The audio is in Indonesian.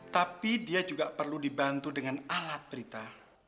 tapi dia juga perlu dibantu dengan alat berita